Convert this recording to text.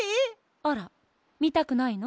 あらみたくないの？